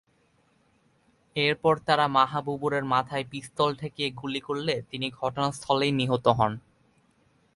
এরপর তারা মাহবুবুরের মাথায় পিস্তল ঠেকিয়ে গুলি করলে তিনি ঘটনাস্থলেই নিহত হন।